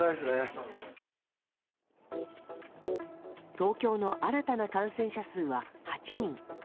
東京の新たな感染者数は８人。